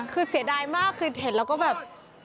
คือเสียดายมากคือเห็นแล้วก็แบบ